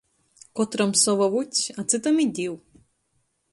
Kotram sova vuts, a cytam i div.